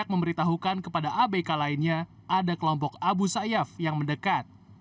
memberitahukan kepada abk lainnya ada kelompok abu sayyaf yang mendekat